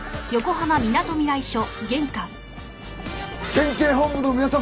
県警本部の皆様。